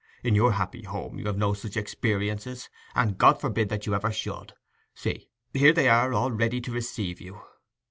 In your happy home you have had no such experiences; and God forbid that you ever should. See, here they are all ready to receive you!